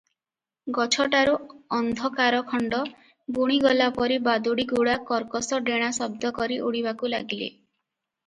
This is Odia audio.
ଗଛଟାରୁ ଅନ୍ଧକାରଖଣ୍ତ ବୁଣିଗଲା ପରି ବାଦୁଡ଼ିଗୁଡ଼ା କର୍କଶ ଡେଣା ଶବ୍ଦ କରି ଉଡ଼ିବାକୁ ଲାଗିଲେ ।